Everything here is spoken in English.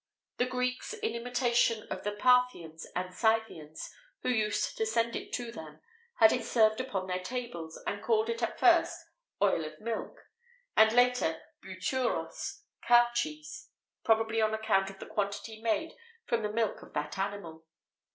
The Greeks, in imitation of the Parthians and Scythians, who used to send it to them, had it served upon their tables, and called it at first "oil of milk,"[XVIII 27] and later, bouturos, "cow cheese," probably on account of the quantity made from the milk of that animal.